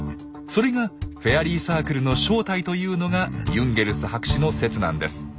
それがフェアリーサークルの正体というのがユンゲルス博士の説なんです。